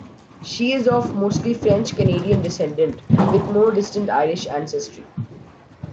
She is of mostly French Canadian descent, with more distant Irish ancestry.